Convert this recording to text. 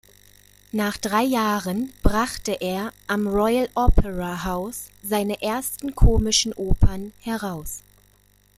Nach drei Jahren brachte er am Royal Opera House seine ersten komischen Opern heraus.